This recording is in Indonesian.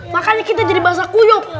makanya kita jadi bahasa kuyuk